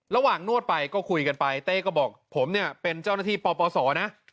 นวดไปก็คุยกันไปเต้ก็บอกผมเนี่ยเป็นเจ้าหน้าที่ปปศนะ